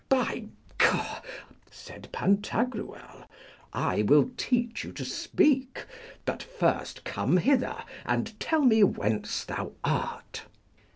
By G , said Pantagruel, I will teach you to speak. But first come hither, and tell me whence thou art.